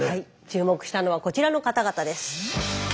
注目したのはこちらの方々です。